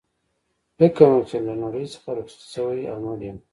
فکر مې وکړ چي له نړۍ څخه رخصت شوی او مړ یم.